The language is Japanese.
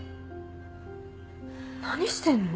何してんの？